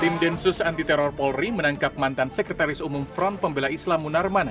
tim densus anti teror polri menangkap mantan sekretaris umum front pembela islam munarman